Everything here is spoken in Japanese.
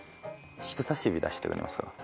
人さし指出してくれますか。